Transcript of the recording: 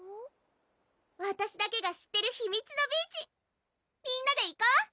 わたしだけが知ってる秘密のビーチみんなで行こう！